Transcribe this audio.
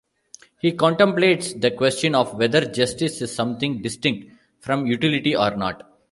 He contemplates the question of whether justice is something distinct from Utility or not.